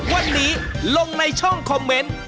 วันนี้ลงในช่องคอมเมนต์